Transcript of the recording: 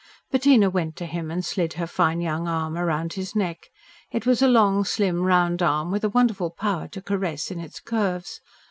Bettina went to him and slid her fine young arm round his neck. It was a long, slim, round arm with a wonderful power to caress in its curves.